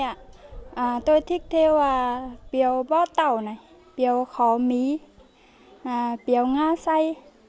mà tôi thích theo là piêu bó tàu này piêu khó mý piêu nga say